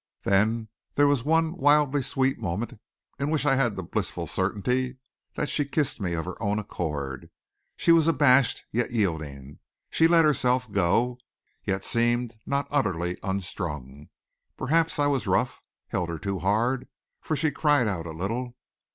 Then there was one wildly sweet moment in which I had the blissful certainty that she kissed me of her own accord. She was abashed, yet yielding; she let herself go, yet seemed not utterly unstrung. Perhaps I was rough, held her too hard, for she cried out a little.